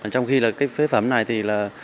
trong khi là cái phế phẩm này thì là